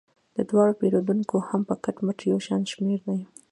د دواړو پیرودونکي هم په کټ مټ یو شان شمیر دي.